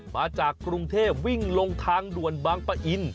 มาจากกรุงเทพวิ่งลงทางด่วนบางปะอิน